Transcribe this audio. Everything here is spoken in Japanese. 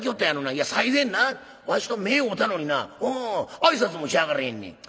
「いや最前なわしと目合うたのになおお挨拶もしやがらへんねん」。